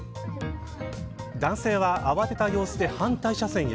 男性は慌てた様子で反対車線へ。